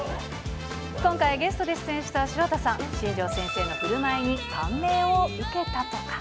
今回、ゲストで出演した城田さん、新庄先生のふるまいに感銘を受けたとか。